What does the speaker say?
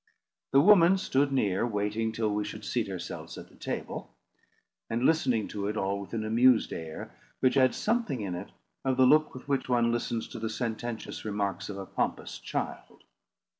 The woman stood near, waiting till we should seat ourselves at the table, and listening to it all with an amused air, which had something in it of the look with which one listens to the sententious remarks of a pompous child.